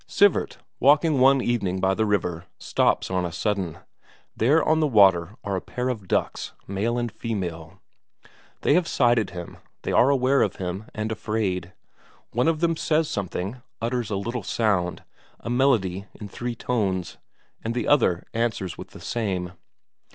Sivert, walking one evening by the river, stops on a sudden; there on the water are a pair of ducks, male and female. They have sighted him; they are aware of man, and afraid; one of them says something, utters a little sound, a melody in three tones, and the other answers with the same.